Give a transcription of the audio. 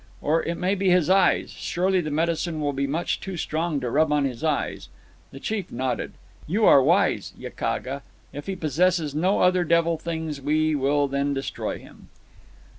Or it may be his eyes. Surely the medicine will be much too strong to rub on his eyes." The chief nodded. "You are wise, Yakaga. If he possesses no other devil things, we will then destroy him."